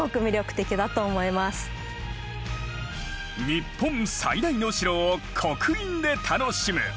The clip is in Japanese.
日本最大の城を刻印で楽しむ。